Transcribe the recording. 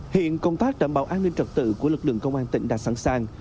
hiện công tác đảm bảo an ninh trật tự của lực lượng công an tỉnh đã sẵn sàng